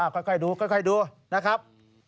ค่อยดูค่อยดูนะครับ